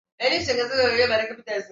likutafuta suluhu ya tatizo lilopo